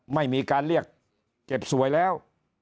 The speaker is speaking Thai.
ไม่มีการเรียกเจ็บสวยแล้ว